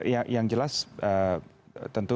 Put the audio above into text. ya yang jelas tentu